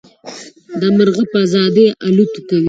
دا مرغه په ازادۍ الوت کوي.